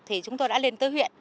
thì chúng tôi đã lên tới huyện